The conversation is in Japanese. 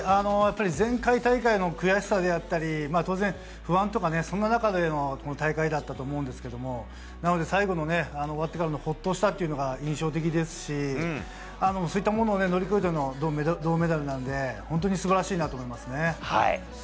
前回大会の悔しさであったり当然、不安とかそんな中での大会だったと思いますが最後の終わってからのほっとしたというのが印象的ですしそういったものを乗り越えての銅メダルなので本当に素晴らしいなと思いますね。